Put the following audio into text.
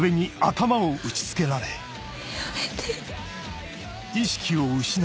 やめて。